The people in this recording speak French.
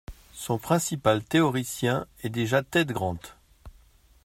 Son principal théoricien est déjà Ted Grant.